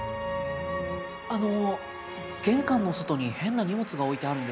あの玄関の外に変な荷物が置いてあるんですけど。